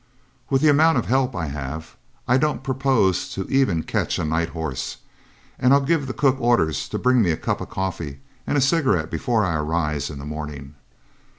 With the amount of help I have, I don't propose to even catch a night horse; and I'll give the cook orders to bring me a cup of coffee and a cigarette before I arise in the morning.